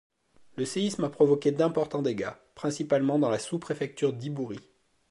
Le séisme a provoqué d'importants dégâts, principalement dans la sous-préfecture d'Iburi.